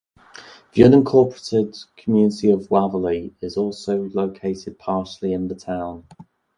The unincorporated community of Waverly is also located partially in the town.